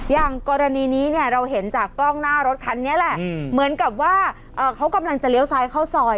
อย่างกรณีนี้เนี่ยเราเห็นจากกล้องหน้ารถคันนี้แหละเหมือนกับว่าเขากำลังจะเลี้ยวซ้ายเข้าซอย